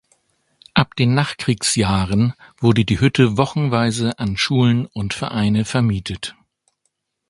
Ab den Nachkriegsjahren wurde die Hütte wochenweise an Schulen und Vereine vermietet.